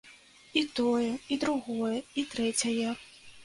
І тое, і другое, і трэцяе.